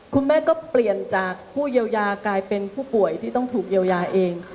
คุณแม่ก็เปลี่ยนจากผู้เยียวยากลายเป็นผู้ป่วยที่ต้องถูกเยียวยาเอง